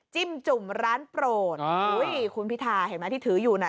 จิ้มจุ่มร้านโปรดอุ้ยคุณพิธาเห็นไหมที่ถืออยู่น่ะ